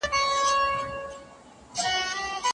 خلګ بې ځایه خبري په ډیرې ولولې سره مني.